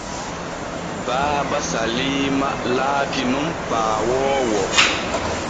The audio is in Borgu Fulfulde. Baaba Saliima laati nun paawoowo.